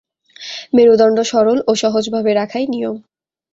মেরুদণ্ড সরল ও সহজভাবে রাখাই নিয়ম।